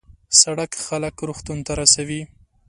سړک خلک روغتون ته رسوي.